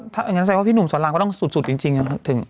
ถ้าอย่างนั้นแสดงว่าพี่หนุ่มสอนรามก็ต้องสุดจริง